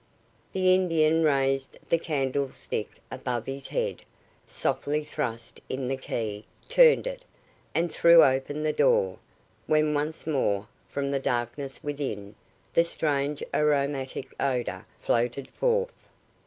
The Indian raised the candlestick above his head, softly thrust in the key, turned it, and threw open the door, when once more, from the darkness within, the strange aromatic odour floated forth.